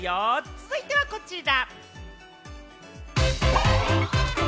続いてはこちら。